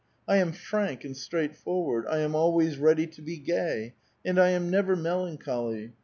I am frank and straightforward; I am always ready to be gay, and I am never melanchol}'.